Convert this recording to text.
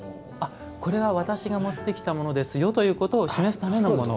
これは私が持ってきたものですよというのを示すためのもの。